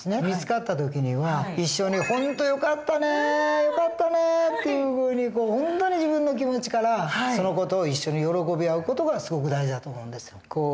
見つかった時には一緒に「本当よかったねよかったね」というふうに本当に自分の気持ちからその事を一緒に喜び合う事がすごく大事だと思うんですよ。